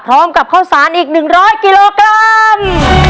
พร้อมกับข้าวสารอีก๑๐๐กิโลกรัม